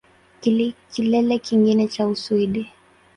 Kilele kingine cha Uswidi